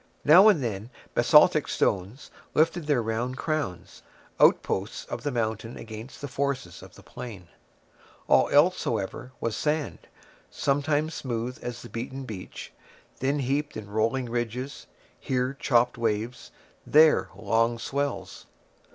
Now and then basaltic stones lifted their round crowns, outposts of the mountain against the forces of the plain; all else, however, was sand, sometimes smooth as the beaten beach, then heaped in rolling ridges; here chopped waves, there long swells.